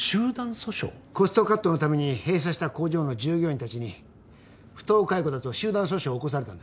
コストカットのために閉鎖した工場の従業員たちに不当解雇だと集団訴訟を起こされたんです。